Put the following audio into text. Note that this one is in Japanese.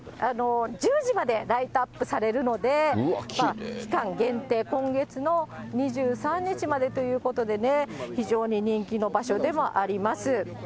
１０時までライトアップされるので、期間限定、今月の２３日までということでね、非常に人気の場所でもあります。